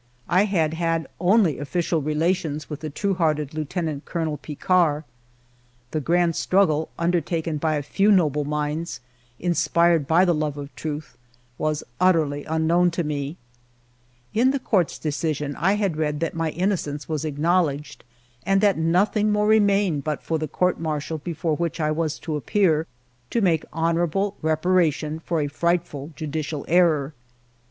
I had had only official relations with the true hearted Lieutenant Colonel Picquart. The grand struggle 294 FIVE YEARS OF MY LIFE undertaken by a few noble minds, inspired by the love of truth, was utterly unknown to me. In the Court's decision I had read that my innocence was acknowledged, and that nothing more remained but for the Court Martial before which I was to appear to make honorable repara tion for a frightful judicial error.